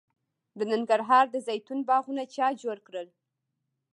د ننګرهار د زیتون باغونه چا جوړ کړل؟